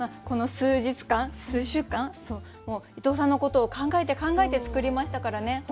この数日間数週間伊藤さんのことを考えて考えて作りましたからね。